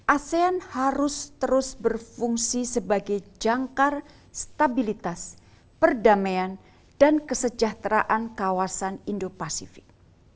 asean harus terus berfungsi sebagai jangkar stabilitas perdamaian dan kesejahteraan kawasan indo pasifik